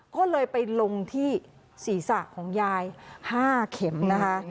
ก็เลยไปลงที่ศีรษะของยาย๕เข็มนะคะ